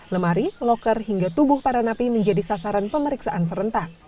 lemari loker hingga tubuh para napi menjadi sasaran pemeriksaan serentak